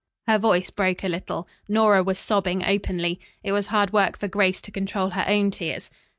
Her voice broke a little. Nora was sobbing openly. It was hard work for Grace to control her own tears.